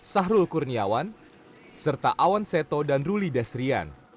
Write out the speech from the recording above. sahrul kurniawan serta awan seto dan ruli destrian